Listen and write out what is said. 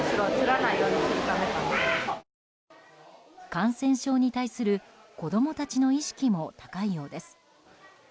感染症に対する子供たちの意識も高いようです。